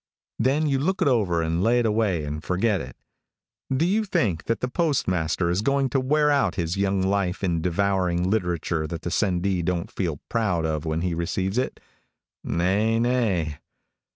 Then you look it over and lay it away and forget it. Do you think that the postmaster is going to wear out his young life in devouring literature that the sendee don't feel proud of when he receives it? Hay, nay.